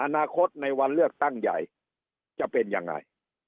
อนาคตในวันเลือกตั้งใหญ่จะเป็นยังไง